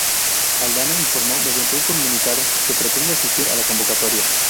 Aldana informó, mediante un comunicado, que pretende asistir a la convocatoria.